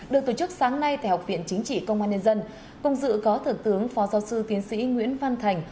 được tổ chức sáng nay tại học viện chính trị công an nhân dân cùng dự có thượng tướng phó giáo sư tiến sĩ nguyễn văn thành